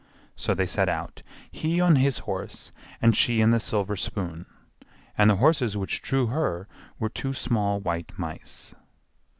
So they set out, he on his horse and she in the silver spoon; and the horses which drew her were two small white mice.